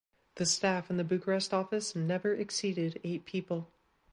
The staff in the Bucharest office never exceeded eight people.